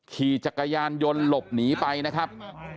ขี่จักรยานยนต์หลบหนีไปนะครับ